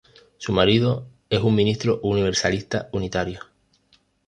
Su marido es un ministro universalista unitario.